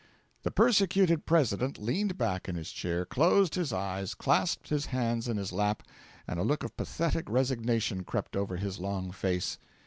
The persecuted President leaned back in his chair, closed his eyes, clasped his hands in his lap, and a look of pathetic resignation crept over his long face.